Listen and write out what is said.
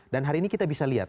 dan hari ini kita bisa lihat